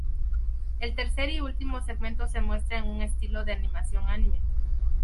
El tercer y último segmento se muestra en un estilo de animación anime.